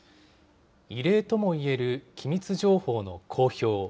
異例ともいえる機密情報の公表。